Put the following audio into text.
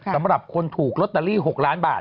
สำหรับคนถูกลอตเตอรี่๖ล้านบาท